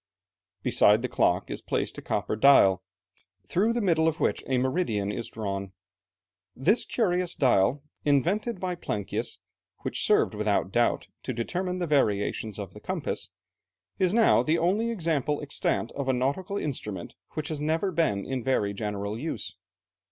Beside the clock is placed a copper dial, through the middle of which a meridian is drawn. This curious dial, invented by Plancius, which served without doubt to determine the variations of the compass, is now the only example extant of a nautical instrument which has never been in very general use.